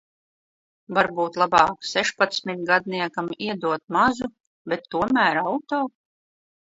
Varbūt labāk sešpadsmitgadniekam iedot mazu, bet tomēr auto.